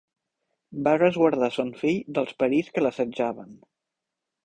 Va resguardar son fill dels perills que l'assetjaven.